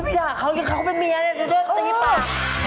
พี่ด่าเขายังเข้าเป็นเมียดูเดี๋ยวตีปาก